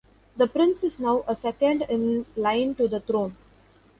The Prince is now a second in line to the throne.